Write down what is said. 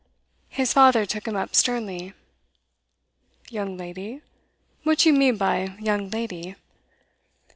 His father took him up sternly. 'Young lady? What do you mean by "young lady"?